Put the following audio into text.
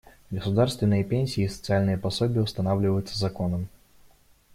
Государственные пенсии и социальные пособия устанавливаются законом.